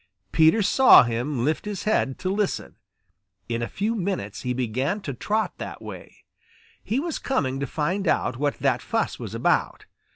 Peter saw him lift his head to listen. In a few minutes he began to trot that way. He was coming to find out what that fuss was about.